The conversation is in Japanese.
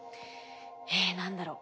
えっ何だろう？